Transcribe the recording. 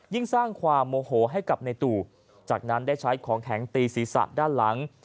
สร้างความโมโหให้กับในตู่จากนั้นได้ใช้ของแข็งตีศีรษะด้านหลัง